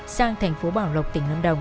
sang thành phố bảo lộc tỉnh năm đồng